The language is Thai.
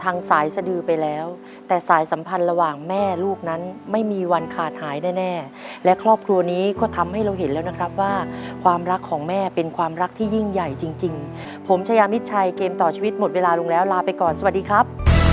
สายสดือไปแล้วแต่สายสัมพันธ์ระหว่างแม่ลูกนั้นไม่มีวันขาดหายแน่แน่และครอบครัวนี้ก็ทำให้เราเห็นแล้วนะครับว่าความรักของแม่เป็นความรักที่ยิ่งใหญ่จริงจริงผมชายามิดชัยเกมต่อชีวิตหมดเวลาลงแล้วลาไปก่อนสวัสดีครับ